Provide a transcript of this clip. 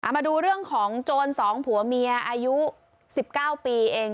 มาดูเรื่องของโจร๒ผัวเมียอายุ๑๙ปีเอง